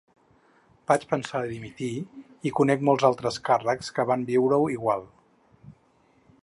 Vaig pensar a dimitir i conec molts altres càrrecs que van viure-ho igual.